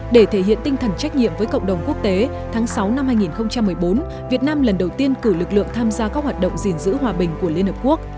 để thể hiện tinh thần trách nhiệm với cộng đồng quốc tế tháng sáu năm hai nghìn một mươi bốn việt nam lần đầu tiên cử lực lượng tham gia các hoạt động gìn giữ hòa bình của liên hợp quốc